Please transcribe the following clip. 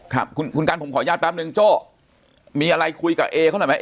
ครับคุณกันผมขออนุญาตแป๊บนึงโจ้มีอะไรคุยกับเอเขาหน่อยไหม